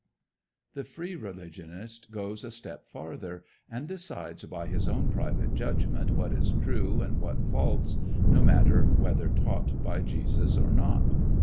The Free Religionist goes a step farther, and decides by his own private judgment what is true and what false, no matter whether taught by Jesus or not.